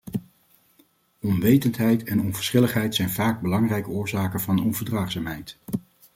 Onwetendheid en onverschilligheid zijn vaak belangrijke oorzaken van onverdraagzaamheid.